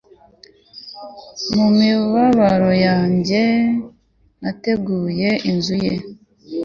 mu mibabaro yanjye nateguriye inzu ye